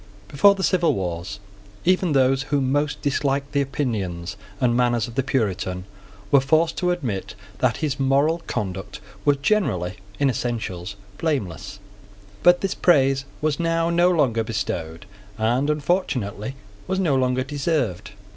Before the civil wars, even those who most disliked the opinions and manners of the Puritan were forced to admit that his moral conduct was generally, in essentials, blameless; but this praise was now no longer bestowed, and, unfortunately, was no longer deserved.